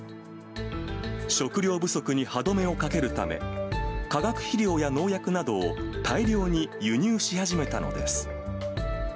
食糧不足に歯止めをかけるため、化学肥料や農薬などを大量に輸入し始めたのです。